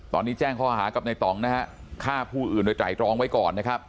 ตอนนี้แจ้งข้อหากับในต่องนะฮะฆ่าผู้อื่นโดยไตรรองไว้ก่อนนะครับ